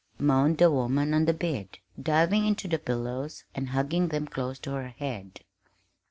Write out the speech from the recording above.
moaned the woman on the bed, diving into the pillows and hugging them close to her head.